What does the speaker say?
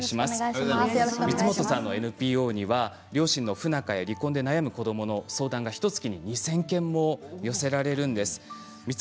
光本さんのＮＰＯには両親の不仲や離婚で悩む子どもの相談がひとつきに２０００件も寄せられるんです。